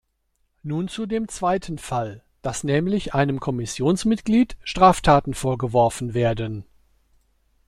Nun zu dem zweiten Fall, dass nämlich einem Kommissionsmitglied Straftaten vorgeworfen werden.